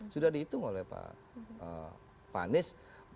sudah dihitung oleh pak anies